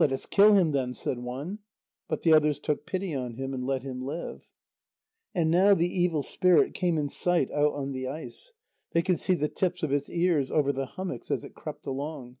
"Let us kill him, then," said one. But the others took pity on him, and let him live. And now the evil spirit came in sight out on the ice; they could see the tips of its ears over the hummocks as it crept along.